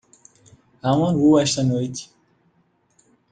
Há uma lua esta noite.